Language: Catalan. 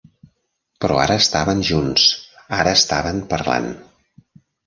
Però ara estaven junts; ara estaven parlant.